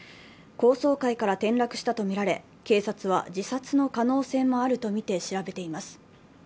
高層階から転落したとみられ、警察は自殺の可能性もあるとみて調べています。